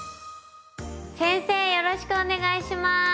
よろしくお願いします。